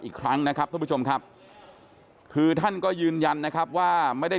อีกครั้งนะครับท่านผู้ชมครับคือท่านก็ยืนยันนะครับว่าไม่ได้